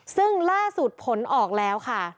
ซึ่งล่าสุดผลออกแล้วค่ะ